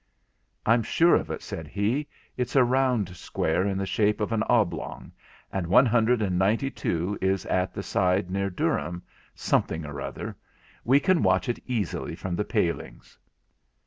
'I'm sure of it,' said he; 'it's a round square in the shape of an oblong, and one hundred and ninety two is at the side near Durham something or other; we can watch it easily from the palings.'